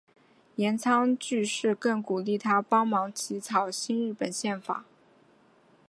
岩仓具视更鼓励他帮忙起草新日本宪法。